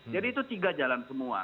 itu tiga jalan semua